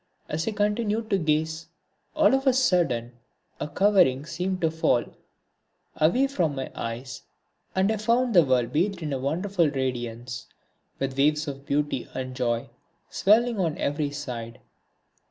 As I continued to gaze, all of a sudden a covering seemed to fall away from my eyes, and I found the world bathed in a wonderful radiance, with waves of beauty and joy swelling on every side.